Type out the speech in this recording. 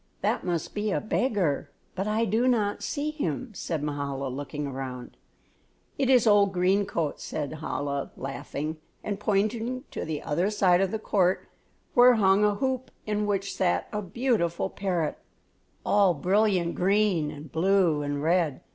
"That must be a beggar, but I do not see him," said Mahala, looking around. "It is old green coat," said Chola, laughing, and pointing to the other side of the court where hung a hoop in which sat a beautiful parrot, all brilliant green and blue and red.